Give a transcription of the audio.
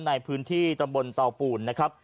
ในพื้นที่ตำบลเตาปูนนะครับ